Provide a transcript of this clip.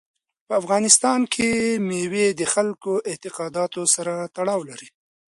په افغانستان کې مېوې د خلکو د اعتقاداتو سره تړاو لري.